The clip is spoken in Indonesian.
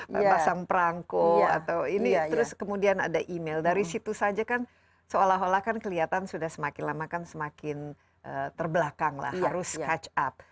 pasang perangko atau ini terus kemudian ada email dari situ saja kan seolah olah kan kelihatan sudah semakin lama kan semakin terbelakang lah harus catch up